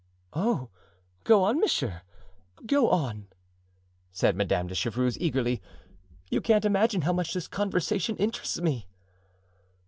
"Oh, go on, monsieur, go on!" said Madame de Chevreuse eagerly; "you can't imagine how much this conversation interests me."